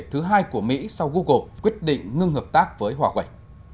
thứ hai của mỹ sau google quyết định ngưng hợp tác với huawei